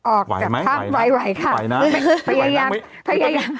ออกจากถ้ำไหวไหวค่ะไปไหวยังไปไหวยัง